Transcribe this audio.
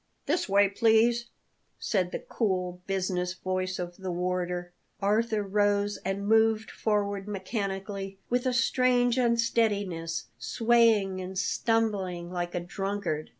"This way, please," said the cool business voice of the warder. Arthur rose and moved forward mechanically, with a strange unsteadiness, swaying and stumbling like a drunkard.